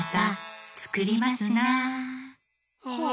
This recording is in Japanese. はあ。